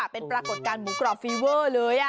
เป็นปรากฏการณ์หมูกรอบฟีเวอร์เลย